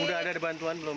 sudah ada bantuan belum